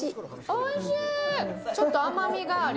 おいしい！